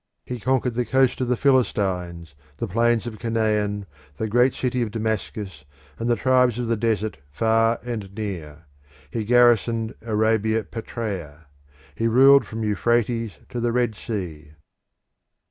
He conquered the coast of the Philistines, the plains of Canaan, the great city of Damascus, and the tribes of the desert far and near. He garrisoned Arabia Petraea. He ruled from Euphrates to the Red Sea.